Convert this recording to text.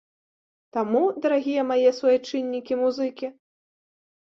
Таму, дарагія мае суайчыннікі-музыкі!